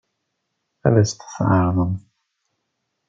Ad as-t-tɛeṛḍemt?